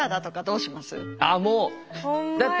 あっもうだって。